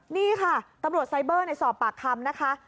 นี่ค่ะตำรวจไซเบอร์สอบปากคำนะคะ